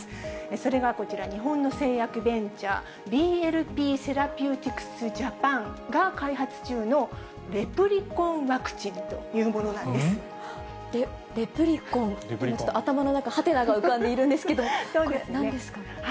それがこちら、日本の製薬ベンチャー、ＶＬＰセラピューティクス・ジャパンが開発中のレプリコンワクチレプリコン、ちょっと頭の中、はてなが浮かんでいるんですけれども、これなんですか？